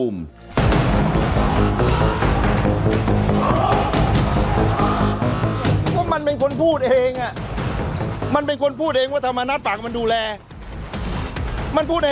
เพราะมันเป็นคนพูดเองอ่ะมันเป็นคนพูดเองว่าธรรมนัฐฝากมันดูแลมันพูดได้